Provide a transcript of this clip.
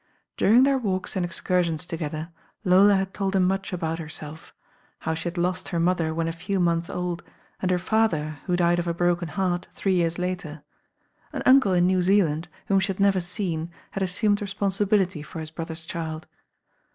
During their walks and excursions together, Lola had ^old him much about herself. How she had lost her mother when a few months old, and her father, who died of a broken heart, three years later. An uncle in New Zealand, whom she had never seen, had assumed responsibility for his brother's child.